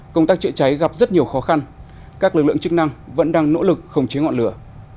công tác chữa cháy gặp rất nhiều khó khăn các lực lượng chức năng vẫn đang nỗ lực khống chế ngọn lửa